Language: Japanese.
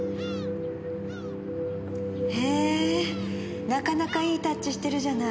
へぇなかなかいいタッチしてるじゃない。